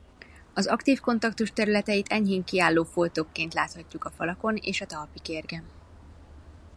Az aktív kontaktus területeit enyhén kiálló foltokként láthatjuk a falakon és a talpi kérgen.